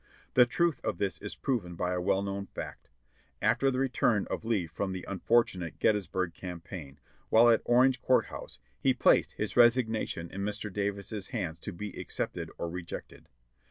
The truth of this is proven by a well known fact : after the re turn of Lee from the unfortunate Gettysburg Campaign, while at Orange Court House, he placed his resignation in Mr. Davis's hands to be accepted or rejected.